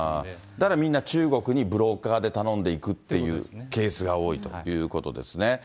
だからみんな中国にブローカーで頼んでいくというケースが多いということですね。